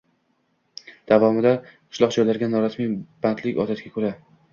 Davomida «Qishloq joylaridagi norasmiy bandlik odatga ko‘ra